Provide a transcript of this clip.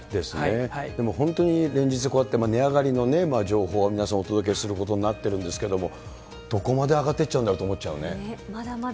でも本当に現実、こうやって値上がりの情報、皆さん、お届けすることになっているんですけれども、どこまで上がってちゃうんだろうって思いますね。